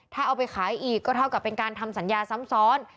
ถ้าเอาไปขายอีกก็เท่ากับเป็นการทำสัญญาซ้ำซ้อน